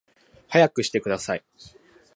速くしてください